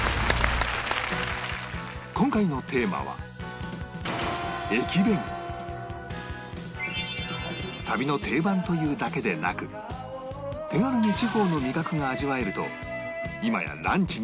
今回のテーマは旅の定番というだけでなく手軽に地方の味覚が味わえると今やランチにも大人気